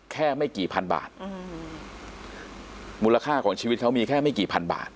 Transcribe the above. ไม่กี่พันบาทอืมมูลค่าของชีวิตเขามีแค่ไม่กี่พันบาท